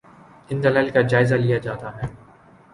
ان دلائل کا جائزہ لیا جاتا ہے۔